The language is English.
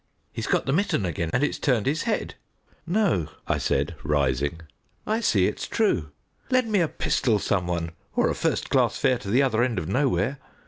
"He's got the mitten again, and it's turned his head." "No," I said, rising, "I see it's true. Lend me a pistol some one or a first class fare to the other end of Nowhere.